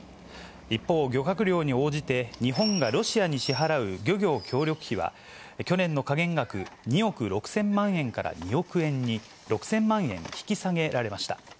一方、漁獲量に応じて日本がロシアに支払う漁業協力費は、去年の下限額２億６０００万円から２億円に、６０００万円引き下げられました。